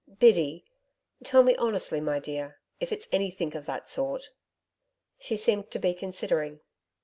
Biddy tell me honestly, my dear, if it's anything of that sort?' She seemed to be considering.